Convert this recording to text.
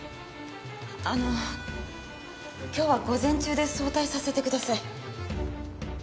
あの今日は午前中で早退させてください。